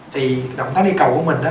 thì động tác đi cầu của mình á